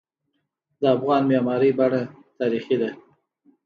د افغان معماری بڼه تاریخي ده.